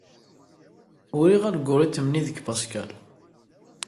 Uriɣ alguritm-nni deg Pascal.